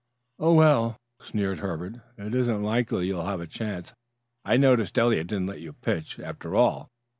"Oh, well," sneered Herbert, "it isn't likely you'll have a chance. I notice Eliot didn't let you pitch, after all.